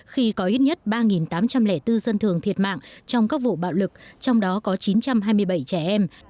khi có ít nhất ba tám trăm linh bốn dân thường thiệt mạng trong các vụ bạo lực trong đó có chín trăm hai mươi bảy trẻ em